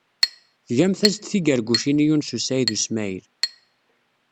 Tgamt-as-d tigargucin i Yunes u Saɛid u Smaɛil.